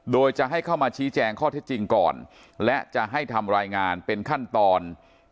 โดยจะให้เข้ามาชี้แจงข้อเท็จจริงก่อนและจะให้ทำรายงานเป็นขั้นตอน